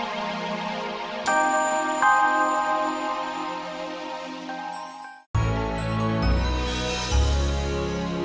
kita sekarang edukasi dirinya